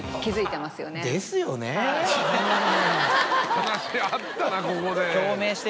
話合ったなここで。